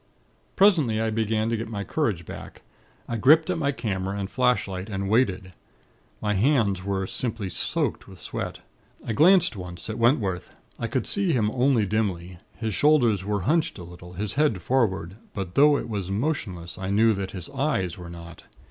"Presently, I began to get my courage back. I gripped at my camera and flashlight, and waited. My hands were simply soaked with sweat. I glanced once at Wentworth. I could see him only dimly. His shoulders were hunched a little, his head forward; but though it was motionless, I knew that his eyes were not.